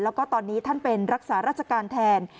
แล้วก็ตอนนี้ท่านเป็นรักษาราชการแทน